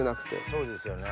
そうですよね。